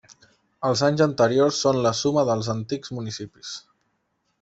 Els anys anteriors són la suma dels antics municipis.